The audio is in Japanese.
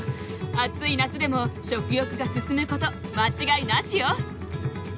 暑い夏でも食欲が進む事間違いなしよ。